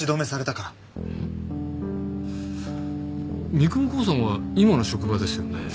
三雲興産は今の職場ですよね？